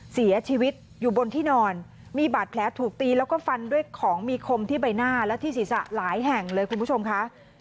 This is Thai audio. เสียชีวิตอยู่บนที่นอนมีบาดแผลถูกตีแล้วก็ฟันด้วยของมีคมที่ใบหน้าและที่ศีรษะหลายแห่งเลยคุณผู้ชมค่ะ